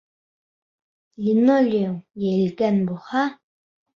Линолеум йәйелгән булһа...